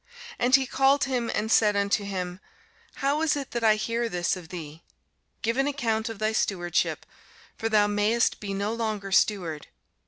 And he called him, and said unto him, How is it that I hear this of thee? give an account of thy stewardship; for thou mayest be no longer steward.